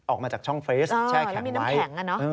ออกมาจากช่องเฟรสแช่แข่งไหม